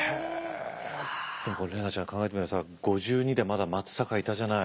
でも怜奈ちゃん考えてみたらさ５２でまだ松坂いたじゃない？